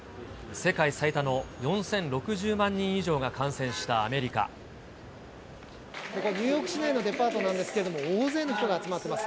世界最多の４０６０万人以上ここ、ニューヨーク市内のデパートなんですけれども、大勢の人が集まってます。